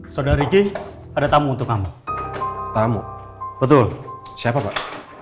saudariki ada tamu untuk kamu tamu betul siapa pak